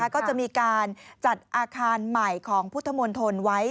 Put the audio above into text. ก็จะมีการจัดอาคารใหม่ของพุทธมณฑลไว้